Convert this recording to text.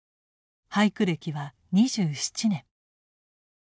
俳句歴は２７年。